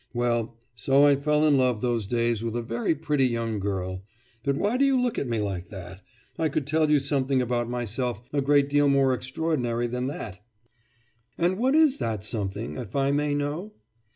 Well, so I fell in love in those days with a very pretty young girl.... But why do you look at me like that? I could tell you something about myself a great deal more extraordinary than that!' 'And what is that something, if I may know?